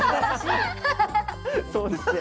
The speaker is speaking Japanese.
そうですね。